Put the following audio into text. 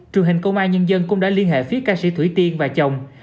truyền hình công an nhân dân cũng đã liên hệ phía ca sĩ thủy tiên và chồng